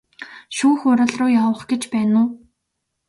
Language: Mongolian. Шүүх хуралруу явах гэж байна уу?